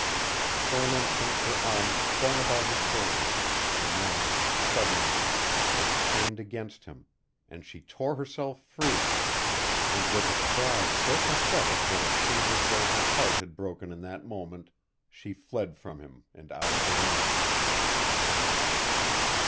For an instant her arms clung about his shoulders, and then, suddenly, they strained against him, and she tore herself free, and, with a cry so pathetic that it seemed as though her heart had broken in that moment, she fled from him, and out of the room.